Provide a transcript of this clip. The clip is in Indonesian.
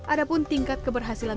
ada pun tingkat keberhasilan